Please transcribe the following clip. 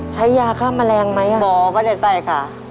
ใช้ยาข้ามแมลงไหมอะบอกว่าได้ใส่ค่ะ